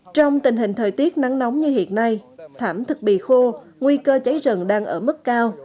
trong tình hình thời tiết nắng nóng như hiện nay thảm thực bì khô nguy cơ cháy rừng đang ở mức cao